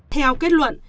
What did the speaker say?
theo kết luận